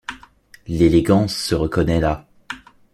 L’élégance se reconnaît là.